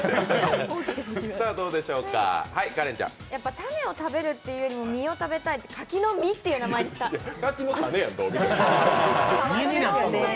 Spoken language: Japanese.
種を食べるというよりも実を食べたい、「柿の実」っていう名前にした。